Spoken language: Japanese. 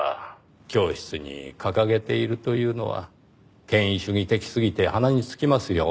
教室に掲げているというのは権威主義的すぎて鼻につきますよ。